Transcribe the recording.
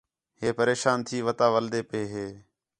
ہے پریشان تی وتا ولدے پئے ہِے